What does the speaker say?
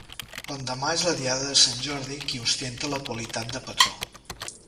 L'endemà és la Diada de Sant Jordi, qui ostenta la qualitat de patró.